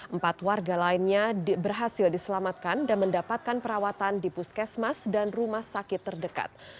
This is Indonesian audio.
empat warga lainnya berhasil diselamatkan dan mendapatkan perawatan di puskesmas dan rumah sakit terdekat